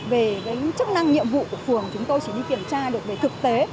về chức năng nhiệm vụ của phường chúng tôi chỉ đi kiểm tra được về thực tế